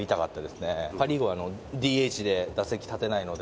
パ・リーグはＤＨで打席立てないので。